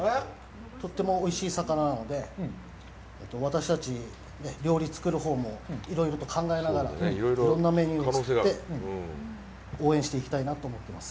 とってもおいしい魚なので、私たち、料理作るほうもいろいろと考えながらいろんなメニューを作って応援していきたいなと思ってます。